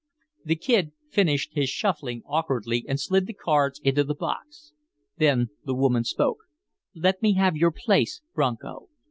The Kid finished his shuffling awkwardly and slid the cards into the box. Then the woman spoke: "Let me have your place, Bronco."